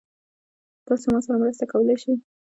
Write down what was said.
تاسو ما سره مرسته کولی شئ؟